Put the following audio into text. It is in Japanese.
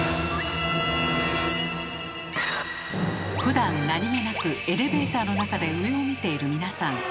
ふだん何気なくエレベーターの中で上を見ている皆さん。